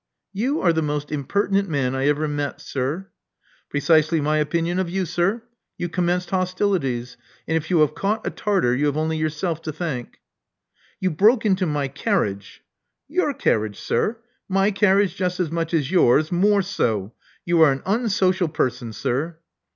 You are the most impertinent man I ever met, sir." Precisely my opinion of you, sir. You commenced hostilities ; and if you have caught a Tartar you have only yourself to thank.*' You broke into my carriage " Your carriage, sir! My carriage just as much as yours — more so. You are an unsocial person, sir."